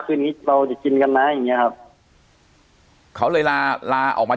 คืนนี้เราจะกินกันนะอย่างเงี้ยครับเขาเลยลาลาออกมา